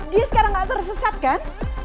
dia sekarang gak tersesat kan